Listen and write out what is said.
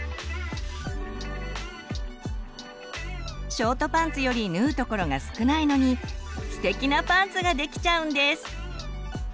ショートパンツより縫うところが少ないのにステキなパンツができちゃうんです！